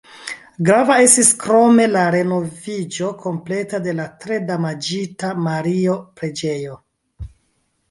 Grava estis krome la renoviĝo kompleta de la tre damaĝita Mario-preĝejo.